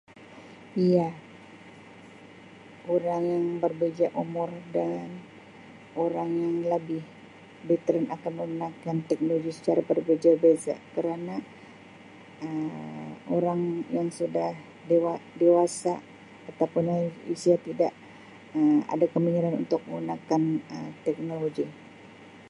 Iya, orang yang berbeza umur dan orang yang labih veteren akan menggunakan teknologi secara berbeza-beza kerana Um orang yang sudah dewa-dewasa atau pun [unintelligible] tidak Um ada kemahiran untuk menggunakan Um teknologi.